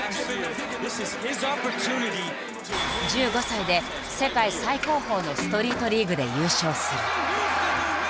１５歳で世界最高峰のストリートリーグで優勝する。